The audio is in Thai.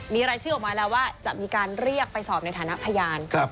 มีรายชื่อออกมาแล้วว่าจะมีการเรียกไปสอบในฐานะพยาน